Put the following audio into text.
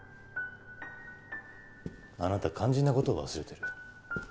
あなたは肝心な事を忘れてる。